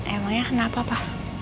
emang ya kenapa pa